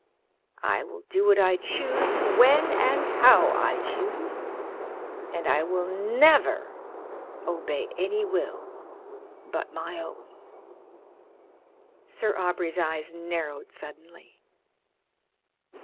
I will do what I choose when and how I choose, and I will never obey any will but my own." Sir Aubrey's eyes narrowed suddenly.